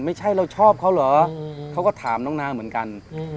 ไม่ใช่เราชอบเขาเหรอเขาก็ถามน้องนางเหมือนกัน